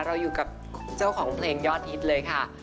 เราอยู่กับเจ้าของเพลงยอดฮิตเลยค่ะ